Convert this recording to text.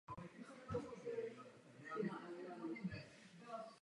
Tým do další velké ceny nenastoupil a ukončil svou činnost.